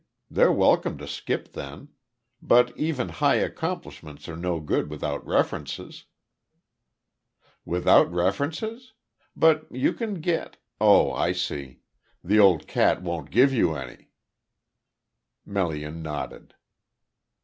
They're welcome to skip, then. But even `high accomplishments' are no good without references." "Without references? But you can get Oh, I see. The old cat won't give you any." Melian nodded.